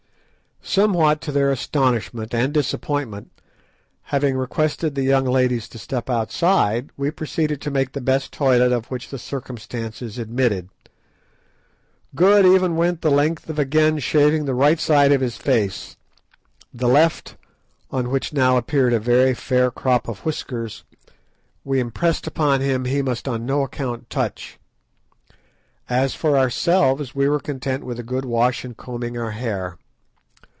Somewhat to their astonishment and disappointment, having requested the young ladies to step outside, we proceeded to make the best toilet of which the circumstances admitted. Good even went the length of again shaving the right side of his face; the left, on which now appeared a very fair crop of whiskers, we impressed upon him he must on no account touch. As for ourselves, we were contented with a good wash and combing our hair.